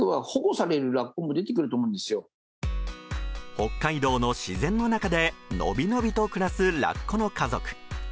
北海道の自然の中でのびのびと暮らすラッコの家族。